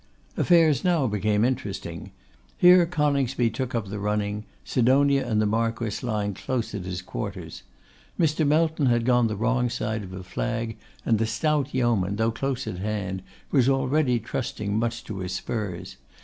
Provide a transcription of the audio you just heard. Affairs now became interesting. Here Coningsby took up the running, Sidonia and the Marquess lying close at his quarters. Mr. Melton had gone the wrong side of a flag, and the stout yeoman, though close at hand, was already trusting much to his spurs.